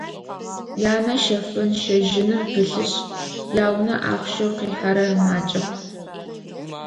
Янэ щэфын-щэжьыным пылъышъ, яунэ ахъщэу къихьэрэр макӏэп.